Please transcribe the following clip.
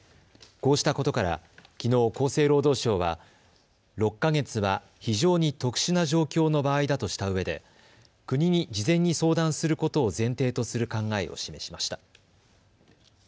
こうしたことからきのう厚生労働省は６か月は非常に特殊な状況の場合だとしたうえで国に事前に相談することを前提とする考えを示しました。